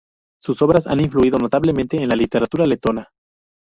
Sus obras han influido notablemente en la literatura letona.